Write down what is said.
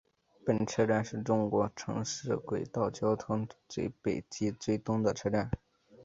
本车站是中国城市轨道交通最北及最东的车站。